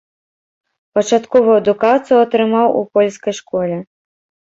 Пачатковую адукацыю атрымаў у польскай школе.